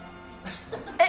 えっ？